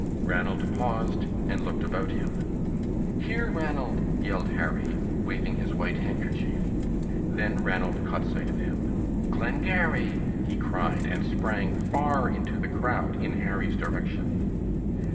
Ranald paused and looked about him. "Here, Ranald!" yelled Harry, waving his white handkerchief. Then Ranald caught sight of him. "Glengarry!" he cried, and sprang far into the crowd in Harry's direction.